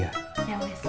ya boleh siap